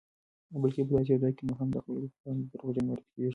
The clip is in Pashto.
بلکې په داسې یو ځای کې هم د خلکو پر وړاندې دروغجن معرفي کېږي